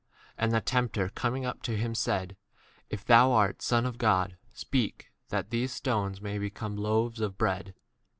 3 And the tempter coming up to him said, w If thou art Son of God, speak, that these stones may 4 become loaves of bread.